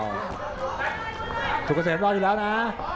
หมู่เสมรออยู่แล้วนะ